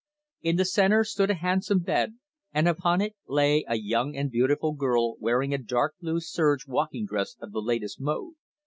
In the centre stood a handsome bed, and upon it lay a young and beautiful girl wearing a dark blue serge walking dress of the latest mode.